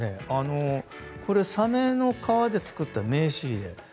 サメの皮で作った名刺入れ。